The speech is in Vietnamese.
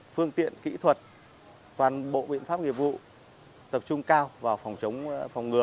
phương tiện kỹ thuật toàn bộ biện pháp nghiệp vụ tập trung cao vào phòng chống phòng ngừa